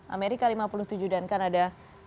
amerika lima puluh tujuh dan kanada